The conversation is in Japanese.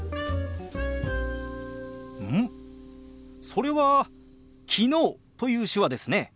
それは「昨日」という手話ですね。